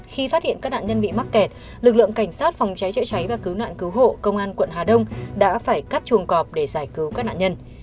khi phát hiện các nạn nhân bị mắc kẹt lực lượng cảnh sát phòng cháy chữa cháy và cứu nạn cứu hộ công an quận hà đông đã phải cắt chuồng cọp để giải cứu các nạn nhân